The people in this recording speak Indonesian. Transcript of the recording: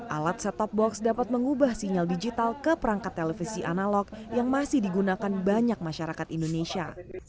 alat set top box dapat mengubah sinyal digital ke perangkat televisi analog yang masih digunakan banyak masyarakat indonesia